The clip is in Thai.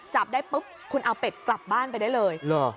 จับได้ปุ๊บคุณเอาเป็ดกลับบ้านไปได้เลย